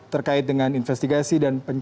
terkait dengan investigasi dan penyelidikan